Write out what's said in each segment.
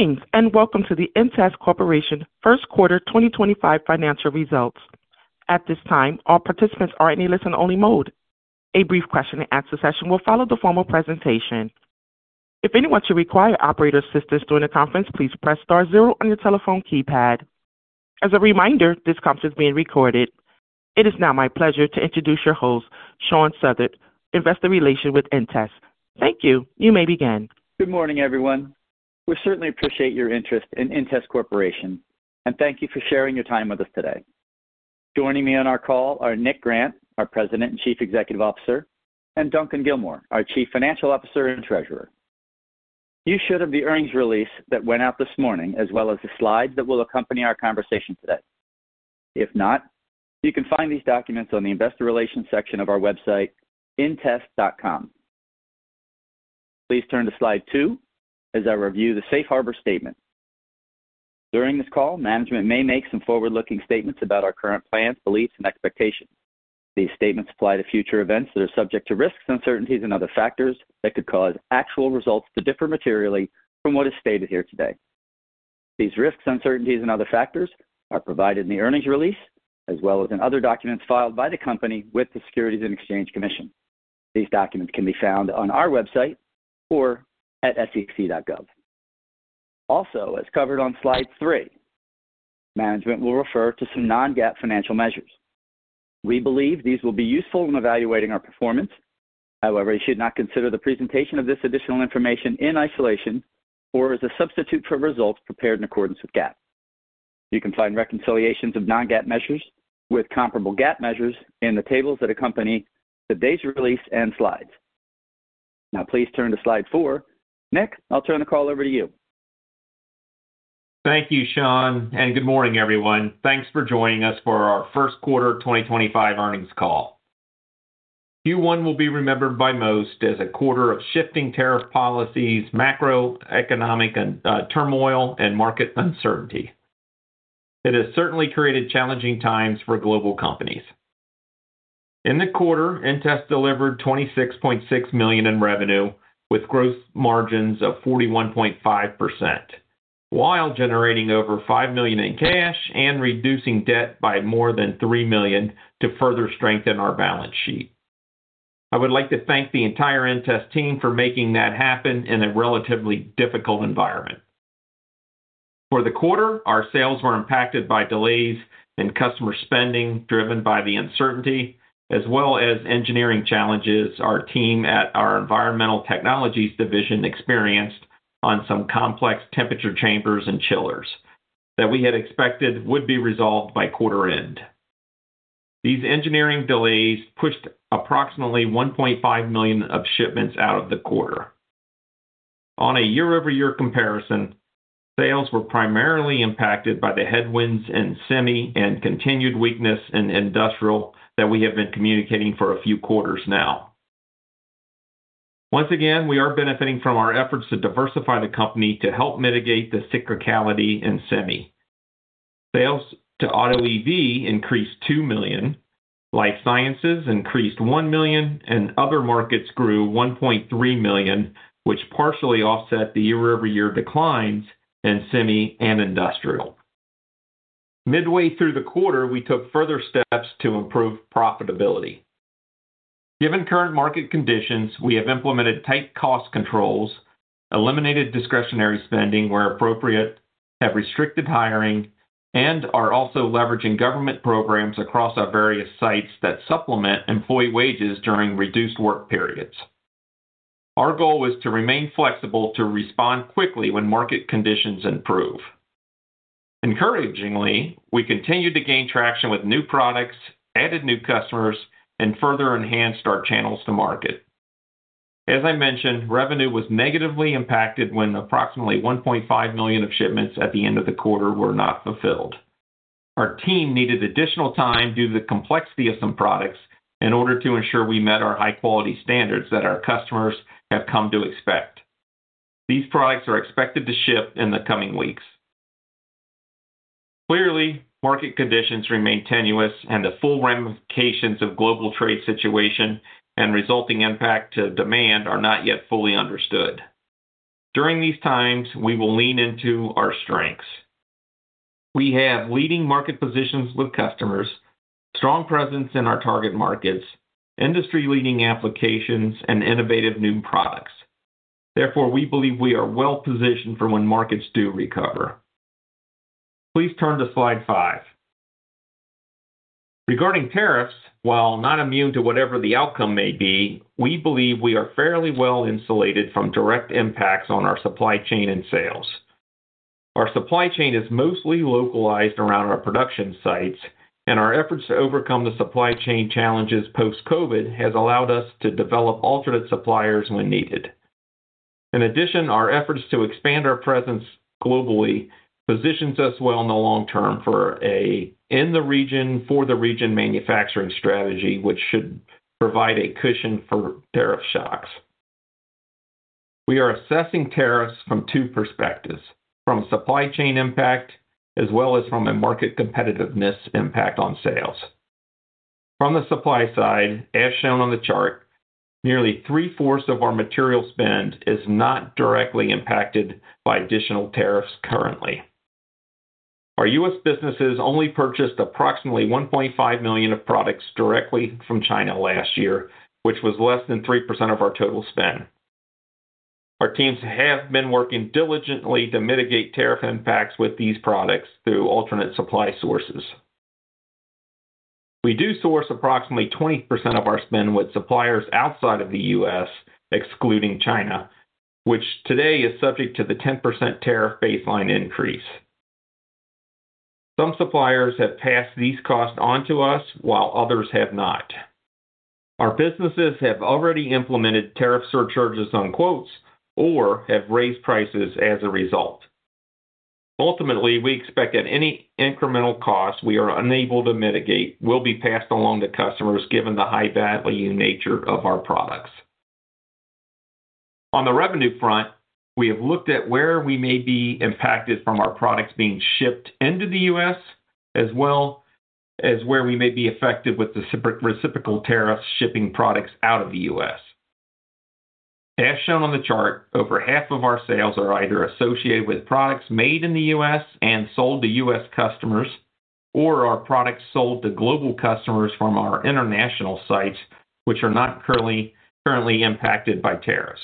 Greetings and welcome to the inTEST Corporation First Quarter 2025 Financial Results. At this time, all participants are in a listen-only mode. A brief question-and-answer session will follow the formal presentation. If anyone should require operator assistance during the conference, please press star zero on your telephone keypad. As a reminder, this conference is being recorded. It is now my pleasure to introduce your host, Shawn Southard, Investor Relations with inTEST. Thank you. You may begin. Good morning, everyone. We certainly appreciate your interest in inTEST Corporation, and thank you for sharing your time with us today. Joining me on our call are Nick Grant, our President and Chief Executive Officer, and Duncan Gilmour, our Chief Financial Officer and Treasurer. You should have the earnings release that went out this morning, as well as the slides that will accompany our conversation today. If not, you can find these documents on the Investor Relations section of our website, intest.com. Please turn to slide two as I review the Safe Harbor Statement. During this call, management may make some forward-looking statements about our current plans, beliefs, and expectations. These statements apply to future events that are subject to risks, uncertainties, and other factors that could cause actual results to differ materially from what is stated here today. These risks, uncertainties, and other factors are provided in the earnings release, as well as in other documents filed by the company with the Securities and Exchange Commission. These documents can be found on our website or at sec.gov. Also, as covered on slide three, management will refer to some non-GAAP financial measures. We believe these will be useful in evaluating our performance. However, you should not consider the presentation of this additional information in isolation or as a substitute for results prepared in accordance with GAAP. You can find reconciliations of non-GAAP measures with comparable GAAP measures in the tables that accompany today's release and slides. Now, please turn to slide four. Nick, I'll turn the call over to you. Thank you, Shawn, and good morning, everyone. Thanks for joining us for our First Quarter 2025 Earnings Call. Q1 will be remembered by most as a quarter of shifting tariff policies, macroeconomic turmoil, and market uncertainty. It has certainly created challenging times for global companies. In the quarter, inTEST delivered $26.6 million in revenue, with gross margins of 41.5%, while generating over $5 million in cash and reducing debt by more than $3 million to further strengthen our balance sheet. I would like to thank the entire inTEST team for making that happen in a relatively difficult environment. For the quarter, our sales were impacted by delays in customer spending driven by the uncertainty, as well as engineering challenges our team at our Environmental Technologies division experienced on some complex temperature chambers and chillers that we had expected would be resolved by quarter-end. These engineering delays pushed approximately $1.5 million of shipments out of the quarter. On a year-over-year comparison, sales were primarily impacted by the headwinds in semi and continued weakness in industrial that we have been communicating for a few quarters now. Once again, we are benefiting from our efforts to diversify the company to help mitigate the cyclicality in semi. Sales to auto/EV increased $2 million, life sciences increased $1 million, and other markets grew $1.3 million, which partially offset the year-over-year declines in semi and industrial. Midway through the quarter, we took further steps to improve profitability. Given current market conditions, we have implemented tight cost controls, eliminated discretionary spending where appropriate, have restricted hiring, and are also leveraging government programs across our various sites that supplement employee wages during reduced work periods. Our goal was to remain flexible to respond quickly when market conditions improve. Encouragingly, we continue to gain traction with new products, added new customers, and further enhanced our channels to market. As I mentioned, revenue was negatively impacted when approximately $1.5 million of shipments at the end of the quarter were not fulfilled. Our team needed additional time due to the complexity of some products in order to ensure we met our high-quality standards that our customers have come to expect. These products are expected to ship in the coming weeks. Clearly, market conditions remain tenuous, and the full ramifications of the global trade situation and resulting impact to demand are not yet fully understood. During these times, we will lean into our strengths. We have leading market positions with customers, a strong presence in our target markets, industry-leading applications, and innovative new products. Therefore, we believe we are well-positioned for when markets do recover. Please turn to slide five. Regarding tariffs, while not immune to whatever the outcome may be, we believe we are fairly well-insulated from direct impacts on our supply chain and sales. Our supply chain is mostly localized around our production sites, and our efforts to overcome the supply chain challenges post-COVID have allowed us to develop alternate suppliers when needed. In addition, our efforts to expand our presence globally position us well in the long term for an in-the-region, for-the-region manufacturing strategy, which should provide a cushion for tariff shocks. We are assessing tariffs from two perspectives: from a supply chain impact, as well as from a market competitiveness impact on sales. From the supply side, as shown on the chart, nearly three-fourths of our material spend is not directly impacted by additional tariffs currently. Our U.S. Businesses only purchased approximately $1.5 million of products directly from China last year, which was less than 3% of our total spend. Our teams have been working diligently to mitigate tariff impacts with these products through alternate supply sources. We do source approximately 20% of our spend with suppliers outside of the U.S., excluding China, which today is subject to the 10% tariff baseline increase. Some suppliers have passed these costs onto us, while others have not. Our businesses have already implemented tariff surcharges on quotes or have raised prices as a result. Ultimately, we expect that any incremental costs we are unable to mitigate will be passed along to customers given the high-value nature of our products. On the revenue front, we have looked at where we may be impacted from our products being shipped into the U.S., as well as where we may be affected with the reciprocal tariffs shipping products out of the U.S. As shown on the chart, over half of our sales are either associated with products made in the U.S. and sold to U.S. customers, or our products sold to global customers from our international sites, which are not currently impacted by tariffs.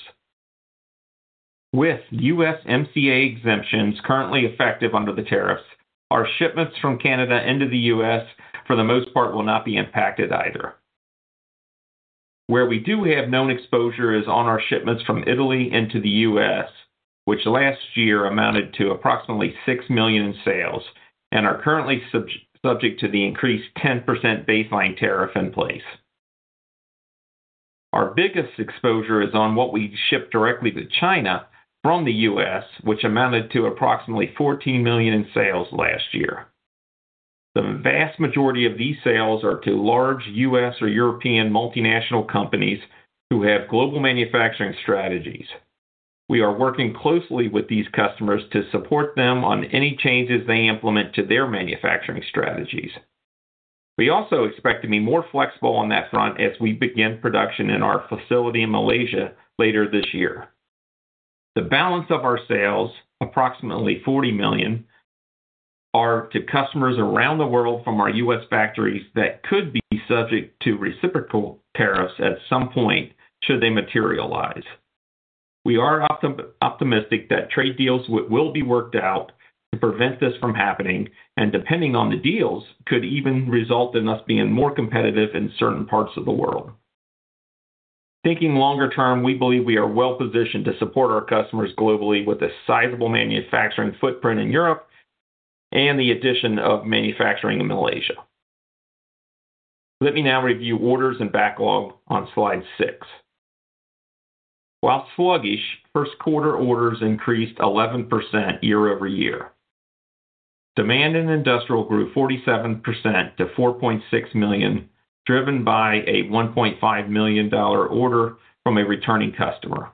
With USMCA exemptions currently effective under the tariffs, our shipments from Canada into the U.S., for the most part, will not be impacted either. Where we do have known exposure is on our shipments from Italy into the U.S., which last year amounted to approximately $6 million in sales, and are currently subject to the increased 10% baseline tariff in place. Our biggest exposure is on what we ship directly to China from the U.S., which amounted to approximately $14 million in sales last year. The vast majority of these sales are to large U.S. or European multinational companies who have global manufacturing strategies. We are working closely with these customers to support them on any changes they implement to their manufacturing strategies. We also expect to be more flexible on that front as we begin production in our facility in Malaysia later this year. The balance of our sales, approximately $40 million, is to customers around the world from our U.S. factories that could be subject to reciprocal tariffs at some point should they materialize. We are optimistic that trade deals will be worked out to prevent this from happening, and depending on the deals, could even result in us being more competitive in certain parts of the world. Thinking longer term, we believe we are well-positioned to support our customers globally with a sizable manufacturing footprint in Europe and the addition of manufacturing in Malaysia. Let me now review orders and backlog on slide six. While sluggish, first-quarter orders increased 11% year-over-year. Demand in industrial grew 47% to $4.6 million, driven by a $1.5 million order from a returning customer.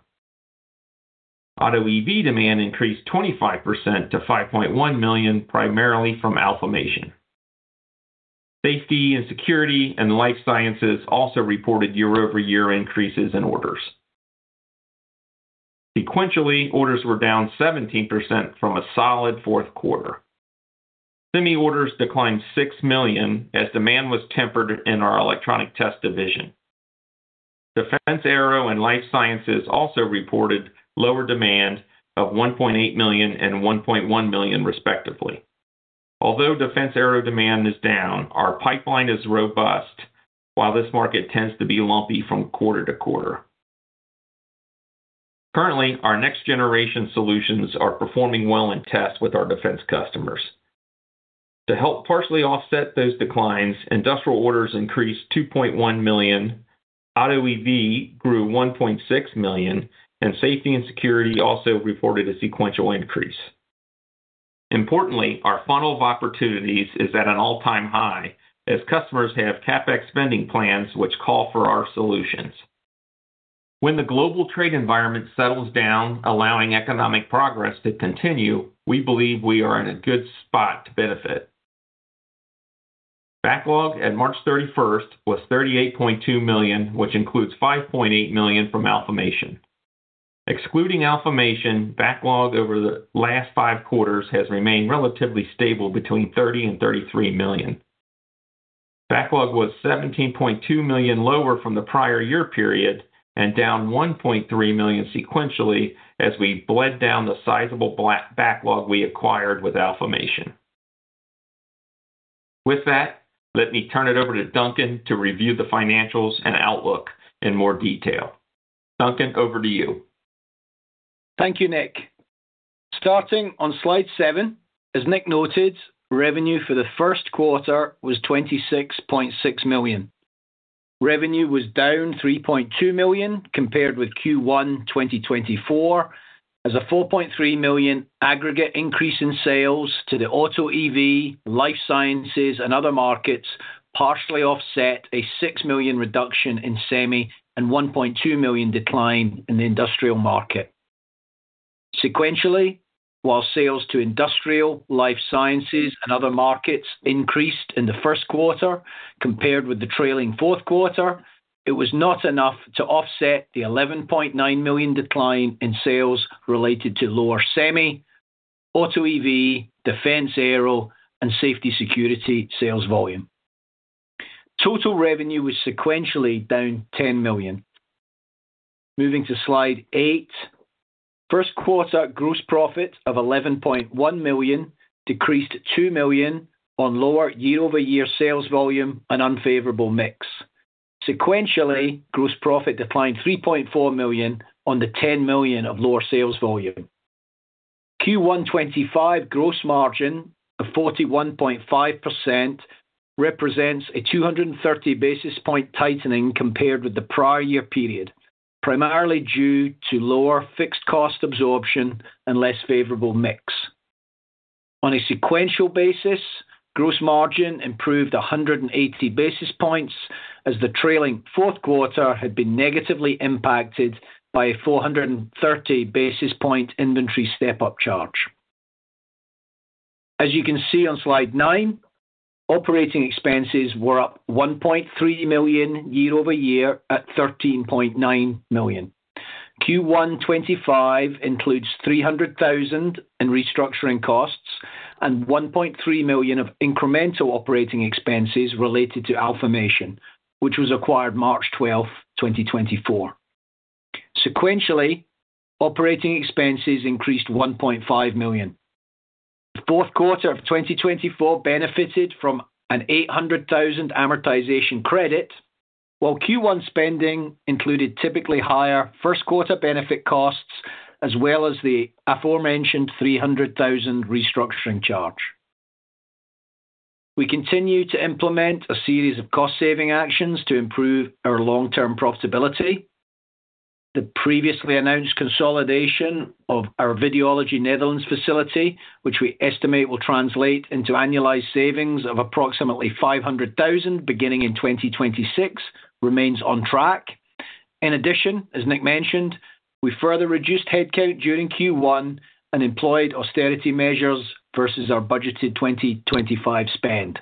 Auto/EV demand increased 25% to $5.1 million, primarily from Alfamation. Safety and security and life sciences also reported year-over-year increases in orders. Sequentially, orders were down 17% from a solid fourth quarter. Semi orders declined $6 million as demand was tempered in our Electronic Test division. Defense/aero and life sciences also reported lower demand of $1.8 million and $1.1 million, respectively. Although defense/aerospace demand is down, our pipeline is robust, while this market tends to be lumpy from quarter to quarter. Currently, our next-generation solutions are performing well in tests with our defense customers. To help partially offset those declines, industrial orders increased $2.1 million, auto/EV grew $1.6 million, and safety and security also reported a sequential increase. Importantly, our funnel of opportunities is at an all-time high as customers have CapEx spending plans which call for our solutions. When the global trade environment settles down, allowing economic progress to continue, we believe we are in a good spot to benefit. Backlog at March 31st was $38.2 million, which includes $5.8 million from Alfamation. Excluding Alfamation, backlog over the last five quarters has remained relatively stable between $30 million and $33 million. Backlog was $17.2 million lower from the prior year period and down $1.3 million sequentially as we bled down the sizable backlog we acquired with Alfamation. With that, let me turn it over to Duncan to review the financials and outlook in more detail. Duncan, over to you. Thank you, Nick. Starting on slide seven, as Nick noted, revenue for the first quarter was $26.6 million. Revenue was down $3.2 million compared with Q1 2024, as a $4.3 million aggregate increase in sales to the auto/EV, life sciences, and other markets partially offset a $6 million reduction in semi and $1.2 million decline in the industrial market. Sequentially, while sales to industrial, life sciences, and other markets increased in the first quarter compared with the trailing fourth quarter, it was not enough to offset the $11.9 million decline in sales related to lower semi, auto/EV, defense/aero, and safety/security sales volume. Total revenue was sequentially down $10 million. Moving to slide eight, first quarter gross profit of $11.1 million decreased $2 million on lower year-over-year sales volume and unfavorable mix. Sequentially, gross profit declined $3.4 million on the $10 million of lower sales volume. Q1 2025 gross margin of 41.5% represents a 230 basis point tightening compared with the prior year period, primarily due to lower fixed cost absorption and less favorable mix. On a sequential basis, gross margin improved 180 basis points as the trailing fourth quarter had been negatively impacted by a 430 basis point inventory step-up charge. As you can see on slide nine, operating expenses were up $1.3 million year-over-year at $13.9 million. Q1 2025 includes $300,000 in restructuring costs and $1.3 million of incremental operating expenses related to Alfamation, which was acquired March 12th, 2024. Sequentially, operating expenses increased $1.5 million. Both quarters of 2024 benefited from an $800,000 amortization credit, while Q1 spending included typically higher first quarter benefit costs as well as the aforementioned $300,000 restructuring charge. We continue to implement a series of cost-saving actions to improve our long-term profitability. The previously announced consolidation of our Videology Netherlands facility, which we estimate will translate into annualized savings of approximately $500,000 beginning in 2026, remains on track. In addition, as Nick mentioned, we further reduced headcount during Q1 and employed austerity measures versus our budgeted 2025 spend.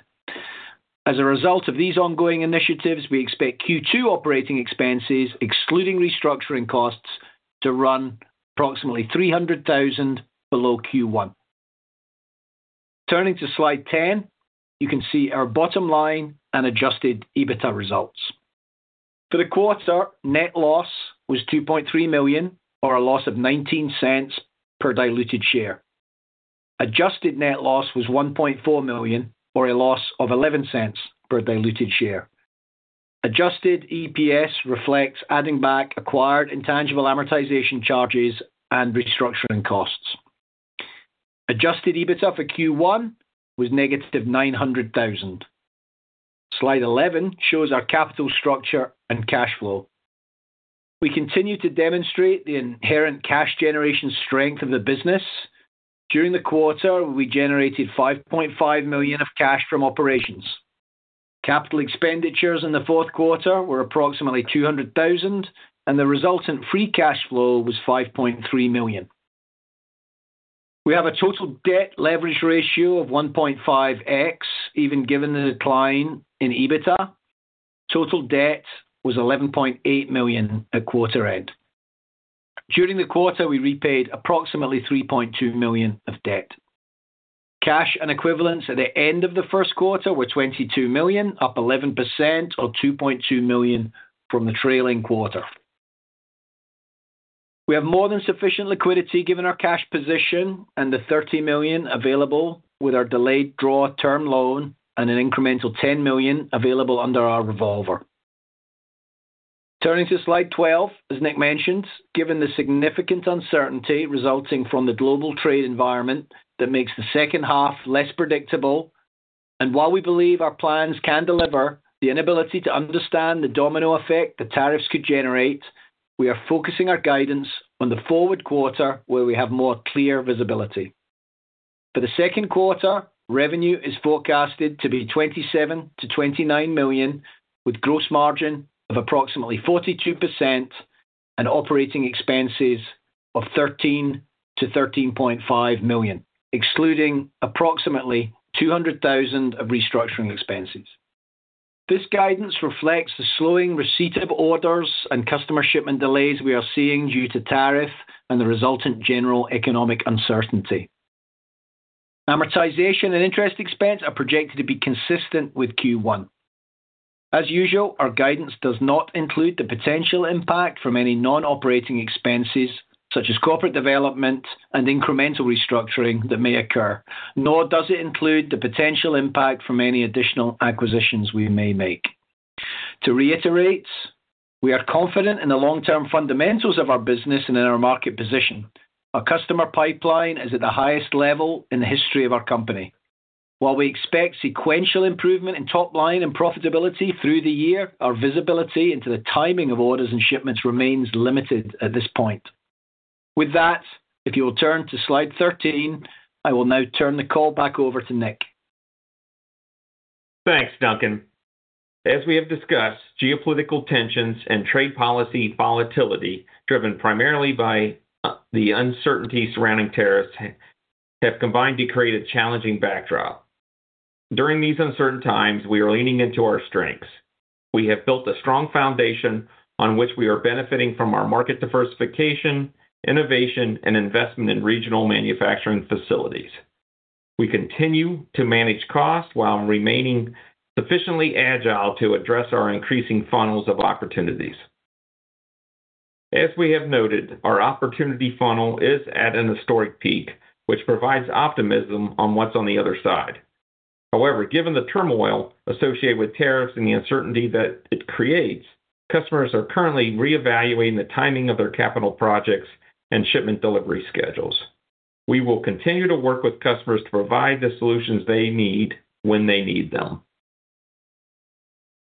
As a result of these ongoing initiatives, we expect Q2 operating expenses, excluding restructuring costs, to run approximately $300,000 below Q1. Turning to slide 10, you can see our bottom line and adjusted EBITDA results. For the quarter, net loss was $2.3 million, or a loss of $0.19 per diluted share. Adjusted net loss was $1.4 million, or a loss of $0.11 per diluted share. Adjusted EPS reflects adding back acquired intangible amortization charges and restructuring costs. Adjusted EBITDA for Q1 was -$900,000. Slide 11 shows our capital structure and cash flow. We continue to demonstrate the inherent cash generation strength of the business. During the quarter, we generated $5.5 million of cash from operations. Capital expenditures in the fourth quarter were approximately $200,000, and the resultant free cash flow was $5.3 million. We have a total debt leverage ratio of 1.5x, even given the decline in EBITDA. Total debt was $11.8 million at quarter end. During the quarter, we repaid approximately $3.2 million of debt. Cash and equivalents at the end of the first quarter were $22 million, up 11%, or $2.2 million from the trailing quarter. We have more than sufficient liquidity given our cash position and the $30 million available with our delayed draw term loan and an incremental $10 million available under our revolver. Turning to slide 12, as Nick mentioned, given the significant uncertainty resulting from the global trade environment that makes the second half less predictable, and while we believe our plans can deliver, the inability to understand the domino effect that tariffs could generate, we are focusing our guidance on the forward quarter where we have more clear visibility. For the second quarter, revenue is forecasted to be $27 million-$29 million, with gross margin of approximately 42% and operating expenses of $13 million-$13.5 million, excluding approximately $200,000 of restructuring expenses. This guidance reflects the slowing receipt of orders and customer shipment delays we are seeing due to tariff and the resultant general economic uncertainty. Amortization and interest expense are projected to be consistent with Q1. As usual, our guidance does not include the potential impact from any non-operating expenses such as corporate development and incremental restructuring that may occur, nor does it include the potential impact from any additional acquisitions we may make. To reiterate, we are confident in the long-term fundamentals of our business and in our market position. Our customer pipeline is at the highest level in the history of our company. While we expect sequential improvement in top-line and profitability through the year, our visibility into the timing of orders and shipments remains limited at this point. With that, if you will turn to slide 13, I will now turn the call back over to Nick. Thanks, Duncan. As we have discussed, geopolitical tensions and trade policy volatility, driven primarily by the uncertainty surrounding tariffs, have combined to create a challenging backdrop. During these uncertain times, we are leaning into our strengths. We have built a strong foundation on which we are benefiting from our market diversification, innovation, and investment in regional manufacturing facilities. We continue to manage costs while remaining sufficiently agile to address our increasing funnels of opportunities. As we have noted, our opportunity funnel is at an historic peak, which provides optimism on what's on the other side. However, given the turmoil associated with tariffs and the uncertainty that it creates, customers are currently reevaluating the timing of their capital projects and shipment delivery schedules. We will continue to work with customers to provide the solutions they need when they need them.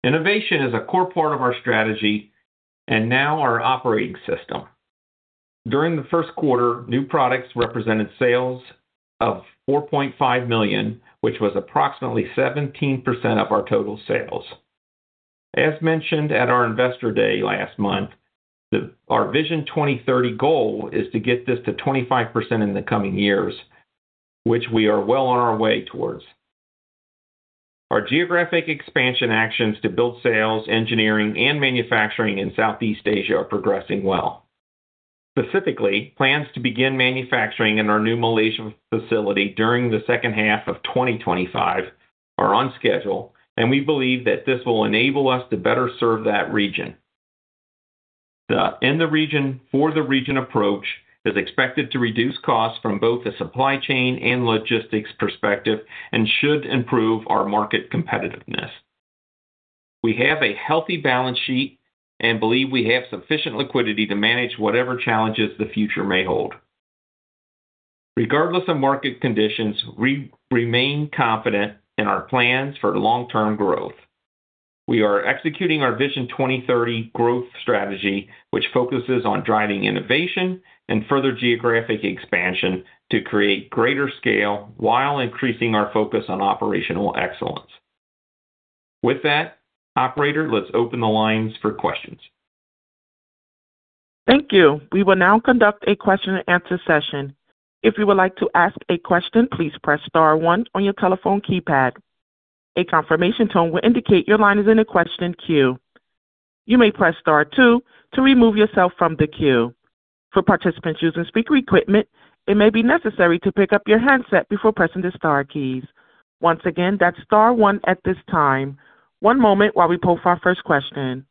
Innovation is a core part of our strategy and now our operating system. During the first quarter, new products represented sales of $4.5 million, which was approximately 17% of our total sales. As mentioned at our Investor Day last month, our VISION 2030 goal is to get this to 25% in the coming years, which we are well on our way towards. Our geographic expansion actions to build sales, engineering, and manufacturing in Southeast Asia are progressing well. Specifically, plans to begin manufacturing in our new Malaysian facility during the second half of 2025 are on schedule, and we believe that this will enable us to better serve that region. The "in the region for the region" approach is expected to reduce costs from both a supply chain and logistics perspective and should improve our market competitiveness. We have a healthy balance sheet and believe we have sufficient liquidity to manage whatever challenges the future may hold. Regardless of market conditions, we remain confident in our plans for long-term growth. We are executing our VISION 2030 growth strategy, which focuses on driving innovation and further geographic expansion to create greater scale while increasing our focus on operational excellence. With that, operator, let's open the lines for questions. Thank you. We will now conduct a question-and-answer session. If you would like to ask a question, please press star one on your telephone keypad. A confirmation tone will indicate your line is in a question queue. You may press star two to remove yourself from the queue. For participants using speaker equipment, it may be necessary to pick up your handset before pressing the star keys. Once again, that's star one at this time. One moment while we pull for our first question.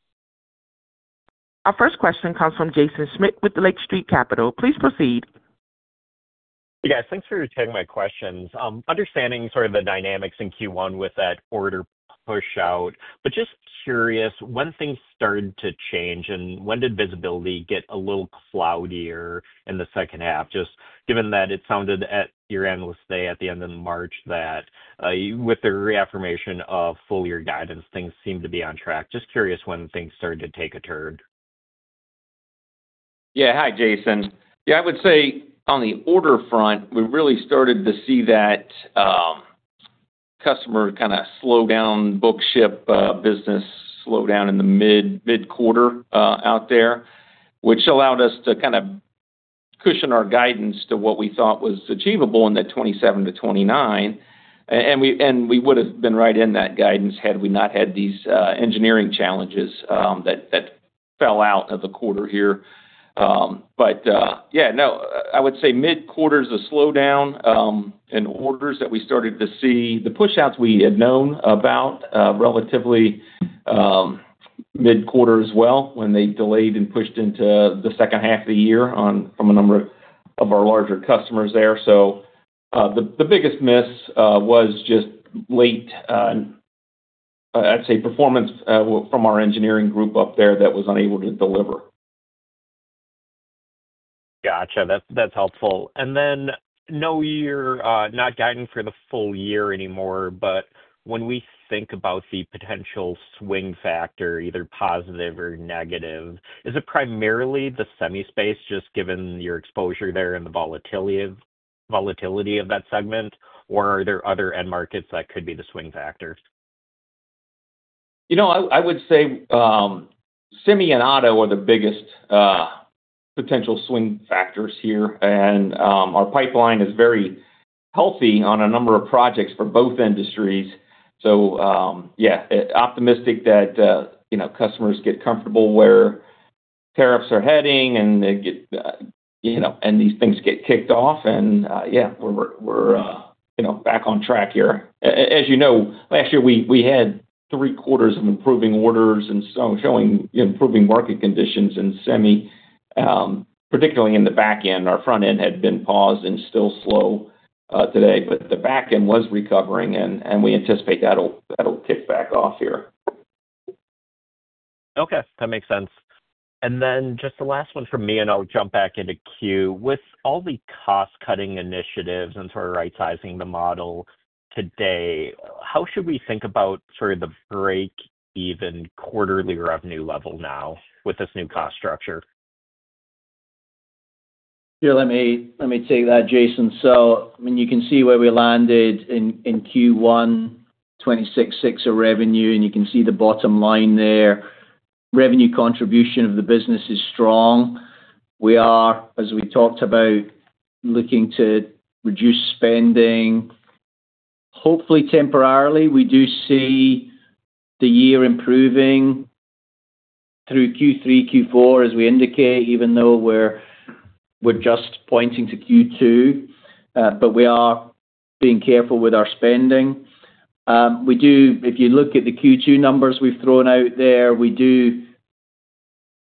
Our first question comes from Jaeson Schmidt with Lake Street Capital. Please proceed. Hey, guys. Thanks for taking my questions. Understanding sort of the dynamics in Q1 with that order push-out, but just curious, when things started to change and when did visibility get a little cloudier in the second half? Just given that it sounded at your Analysts' Day at the end of March that with the reaffirmation of full year guidance, things seemed to be on track. Just curious when things started to take a turn. Yeah. Hi, Jaeson. Yeah, I would say on the order front, we really started to see that customer kind of slow down, book-ship business slow down in the mid-quarter out there, which allowed us to kind of cushion our guidance to what we thought was achievable in that $27 million-$29 million. We would have been right in that guidance had we not had these engineering challenges that fell out of the quarter here. Yeah, no, I would say mid-quarter is a slowdown in orders that we started to see. The push-outs we had known about relatively mid-quarter as well when they delayed and pushed into the second half of the year from a number of our larger customers there. The biggest miss was just late, I'd say, performance from our engineering group up there that was unable to deliver. Gotcha. That's helpful. No year, not guiding for the full year anymore, but when we think about the potential swing factor, either positive or negative, is it primarily the semi space just given your exposure there and the volatility of that segment, or are there other end markets that could be the swing factors? You know, I would say semi and auto are the biggest potential swing factors here. Our pipeline is very healthy on a number of projects for both industries. Yeah, optimistic that customers get comfortable where tariffs are heading and these things get kicked off. Yeah, we're back on track here. As you know, last year we had three quarters of improving orders and showing improving market conditions in semi, particularly in the back end. Our front end had been paused and still slow today, but the back end was recovering, and we anticipate that'll kick back off here. Okay. That makes sense. Just the last one for me, and I'll jump back into queue. With all the cost-cutting initiatives and sort of rightsizing the model today, how should we think about sort of the break-even quarterly revenue level now with this new cost structure? Yeah, let me take that, Jaeson. I mean, you can see where we landed in Q1, $26.6 million of revenue, and you can see the bottom line there. Revenue contribution of the business is strong. We are, as we talked about, looking to reduce spending, hopefully temporarily. We do see the year improving through Q3, Q4, as we indicate, even though we're just pointing to Q2, but we are being careful with our spending. If you look at the Q2 numbers we've thrown out there, we do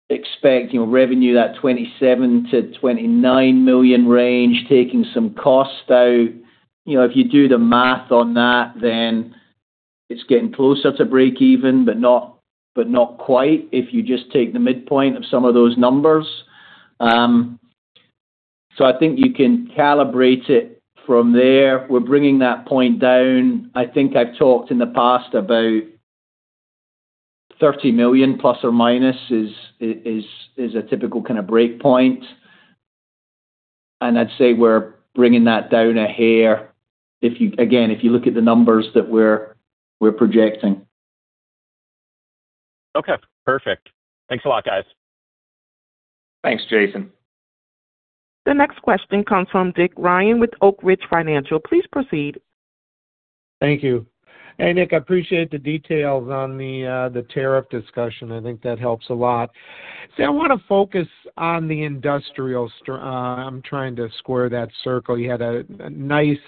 expect revenue in that $27 million-$29 million range, taking some costs out. If you do the math on that, then it's getting closer to break-even, but not quite if you just take the midpoint of some of those numbers. I think you can calibrate it from there. We're bringing that point down. I think I've talked in the past about $30 million± is a typical kind of breakpoint. I'd say we're bringing that down a hair, again, if you look at the numbers that we're projecting. Okay. Perfect. Thanks a lot, guys. Thanks, Jaeson. The next question comes from Dick Ryan with Oak Ridge Financial. Please proceed. Thank you. Hey, Nick, I appreciate the details on the tariff discussion. I think that helps a lot. See, I want to focus on the industrial. I'm trying to square that circle. You had a nice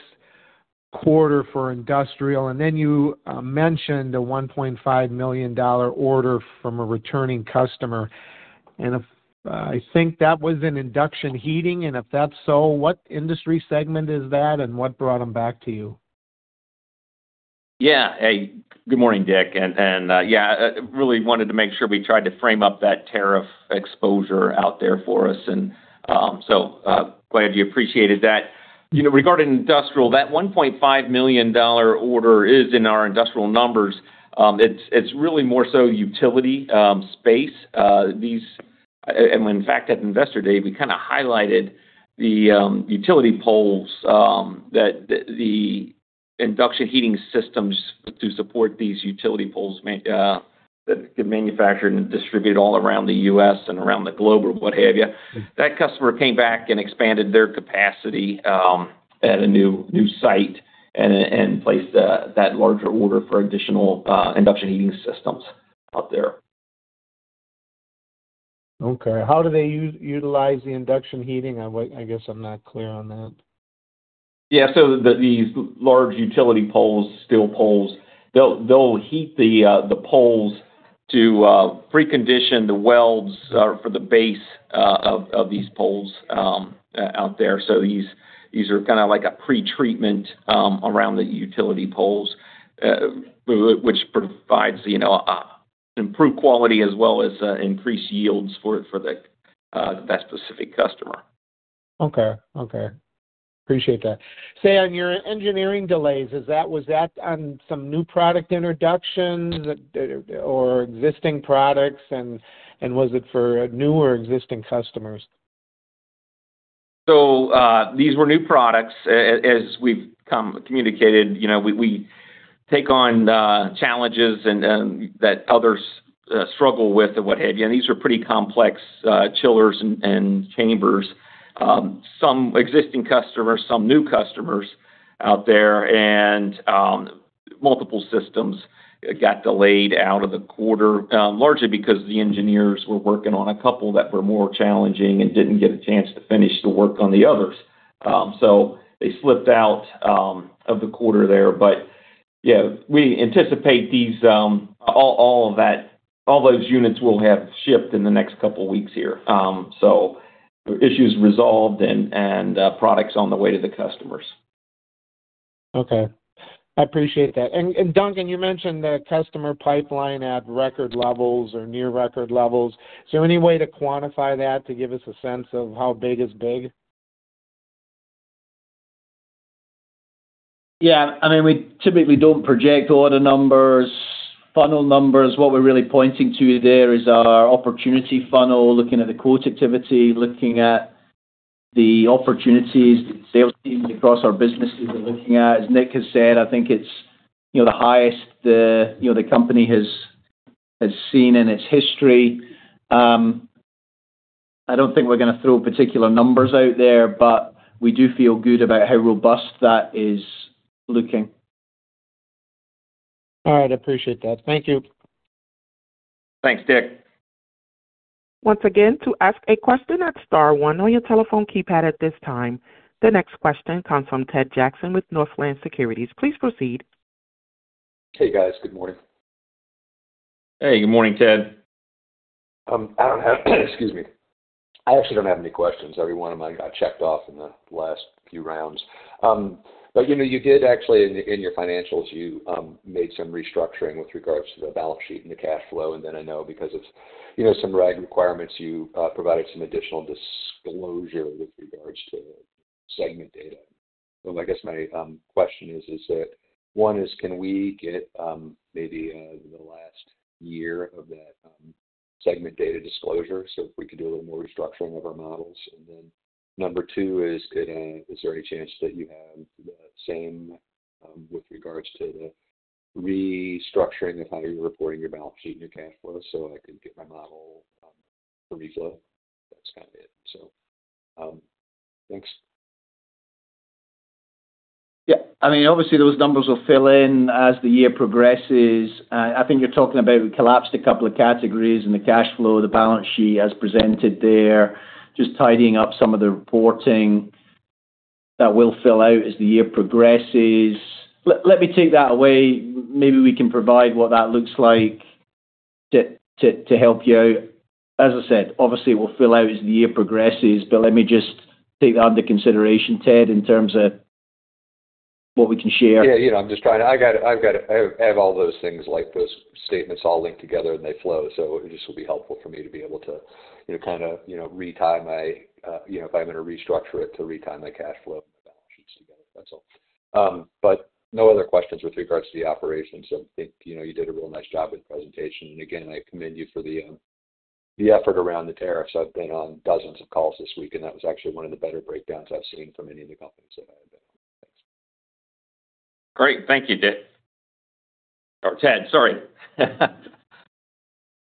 quarter for industrial, and then you mentioned a $1.5 million order from a returning customer. And I think that was an induction heating. And if that's so, what industry segment is that, and what brought them back to you? Yeah. Hey, good morning, Dick. Yeah, really wanted to make sure we tried to frame up that tariff exposure out there for us. Glad you appreciated that. Regarding industrial, that $1.5 million order is in our industrial numbers. It's really more so utility space. In fact, at Investor Day, we kind of highlighted the utility poles that the induction heating systems to support these utility poles that could manufacture and distribute all around the U.S. and around the globe or what have you. That customer came back and expanded their capacity at a new site and placed that larger order for additional induction heating systems out there. Okay. How do they utilize the induction heating? I guess I'm not clear on that. Yeah. These large utility poles, steel poles, they'll heat the poles to precondition the welds for the base of these poles out there. These are kind of like a pretreatment around the utility poles, which provides improved quality as well as increased yields for that specific customer. Okay. Okay. Appreciate that. See, on your engineering delays, was that on some new product introductions or existing products, and was it for new or existing customers? These were new products. As we've communicated, we take on challenges that others struggle with and what have you. These are pretty complex chillers and chambers. Some existing customers, some new customers out there, and multiple systems got delayed out of the quarter, largely because the engineers were working on a couple that were more challenging and did not get a chance to finish the work on the others. They slipped out of the quarter there. Yeah, we anticipate all of those units will have shipped in the next couple of weeks here. Issues resolved and products on the way to the customers. Okay. I appreciate that. Duncan, you mentioned the customer pipeline at record levels or near record levels. Is there any way to quantify that to give us a sense of how big is big? Yeah. I mean, we typically do not project order numbers, funnel numbers. What we are really pointing to there is our opportunity funnel, looking at the quota activity, looking at the opportunities that sales teams across our businesses are looking at. As Nick has said, I think it is the highest the company has seen in its history. I do not think we are going to throw particular numbers out there, but we do feel good about how robust that is looking. All right. I appreciate that. Thank you. Thanks, Dick. Once again, to ask a question, press star one on your telephone keypad at this time. The next question comes from Ted Jackson with Northland Securities. Please proceed. Hey, guys. Good morning. Hey, good morning, Ted. I don't have—excuse me. I actually don't have any questions. Every one of them I checked off in the last few rounds. You did actually, in your financials, you made some restructuring with regards to the balance sheet and the cash flow. I know because of some RAG requirements, you provided some additional disclosure with regards to segment data. I guess my question is, is that one is, can we get maybe the last year of that segment data disclosure so we could do a little more restructuring of our models? Number two is, is there any chance that you have the same with regards to the restructuring of how you're reporting your balance sheet and your cash flow so I can get my model refill? That's kind of it, so. Thanks. Yeah. I mean, obviously, those numbers will fill in as the year progresses. I think you're talking about we collapsed a couple of categories in the cash flow, the balance sheet as presented there, just tidying up some of the reporting that will fill out as the year progresses. Let me take that away. Maybe we can provide what that looks like to help you out. As I said, obviously, it will fill out as the year progresses, but let me just take that under consideration, Ted, in terms of what we can share. Yeah. I'm just trying to—I have all those things, those statements all linked together, and they flow. It just will be helpful for me to be able to kind of retime if I'm going to restructure it to retime my cash flow and my balance sheets together. That's all. No other questions with regards to the operations. I think you did a real nice job with the presentation. Again, I commend you for the effort around the tariffs. I've been on dozens of calls this week, and that was actually one of the better breakdowns I've seen from any of the companies that I have been on. Thanks. Great. Thank you, Dick. Or Ted, sorry.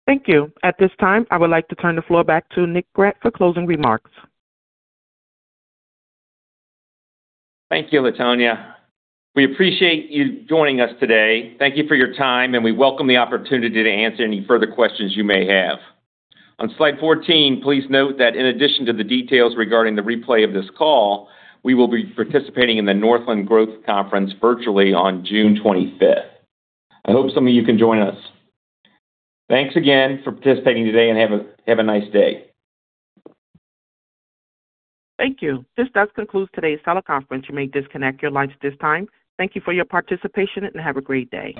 Thank you. At this time, I would like to turn the floor back to Nick Grant for closing remarks. Thank you, Latonia. We appreciate you joining us today. Thank you for your time, and we welcome the opportunity to answer any further questions you may have. On slide 14, please note that in addition to the details regarding the replay of this call, we will be participating in the Northland Growth Conference virtually on June 25th. I hope some of you can join us. Thanks again for participating today, and have a nice day. Thank you. This does conclude today's teleconference. You may disconnect your lines at this time. Thank you for your participation, and have a great day.